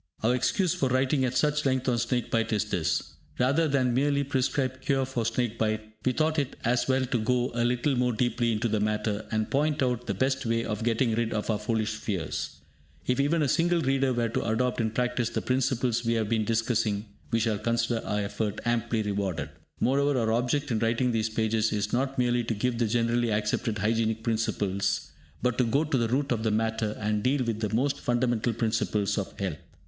Our excuse for writing at such length on snake bite is this. Rather than merely prescribe cure for snake bite, we thought it as well to go a little more deeply into the matter, and point out the best way of getting rid of our foolish fears. If even a single reader were to adopt in practice the principles we have been discussing, we shall consider our effort amply rewarded. Moreover, our object in writing these pages is not merely to give the generally accepted hygienic principles, but to go to the root of the matter, and deal with the most fundamental principles of health.